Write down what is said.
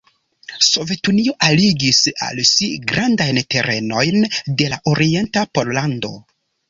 Sovetunio aligis al si grandajn terenojn de la orienta Pollando.